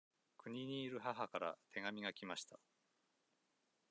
国にいる母から手紙が来ました。